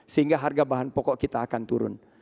sehingga harga bahan pokok kita akan turun